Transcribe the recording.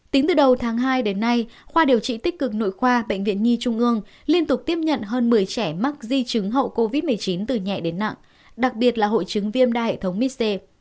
tính từ đầu tháng hai đến nay khoa điều trị tích cực nội khoa bệnh viện nhi trung ương liên tục tiếp nhận hơn một mươi trẻ mắc di chứng hậu covid một mươi chín từ nhẹ đến nặng đặc biệt là hội chứng viêm đa hệ thống misse